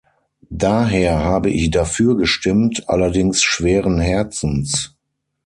Daher habe ich dafür gestimmt allerdings schweren Herzens.